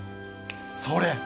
それ！